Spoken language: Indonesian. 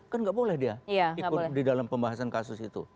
kan nggak boleh dia ikut di dalam pembahasan kasus itu